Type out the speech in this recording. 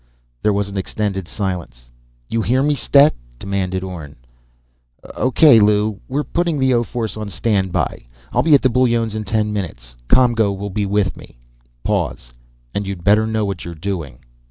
"_ There was an extended silence. "You hear me, Stet?" demanded Orne. "O.K., Lew. We're putting the O force on standby. I'll be at the Bullones' in ten minutes. ComGO will be with me." Pause. _"And you'd better know what you're doing!"